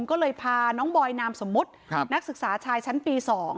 ก็เลยพาน้องบอยนามสมมุตินักศึกษาชายชั้นปี๒